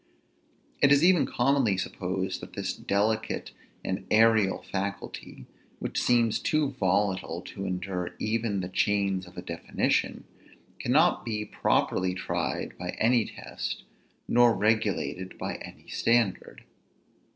It is even commonly supposed that this delicate and aerial faculty, which seems too volatile to endure even the chains of a definition, cannot be properly tried by any test, nor regulated by any standard.